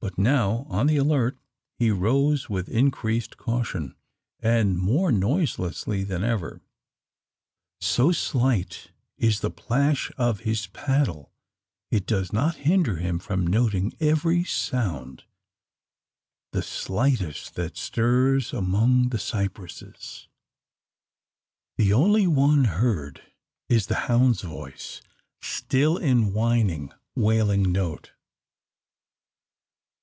But now on the alert, he rows with increased caution, and more noiselessly than ever. So slight is the plash of his paddle, it does not hinder him from noting every sound the slightest that stirs among the cypresses. The only one heard is the hound's voice, still in whining, wailing note.